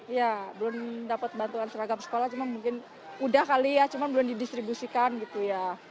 iya belum dapat bantuan seragam sekolah cuma mungkin udah kali ya cuma belum didistribusikan gitu ya